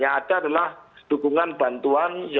yang ada adalah dukungan bantuan